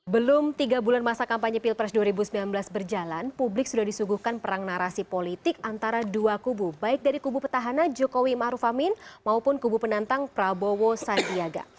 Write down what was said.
belum tiga bulan masa kampanye pilpres dua ribu sembilan belas berjalan publik sudah disuguhkan perang narasi politik antara dua kubu baik dari kubu petahana jokowi maruf amin maupun kubu penantang prabowo sandiaga